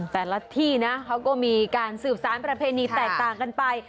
แต่ละที่นะเขาก็มีการสืบสารประเพณีแตกต่างกันไป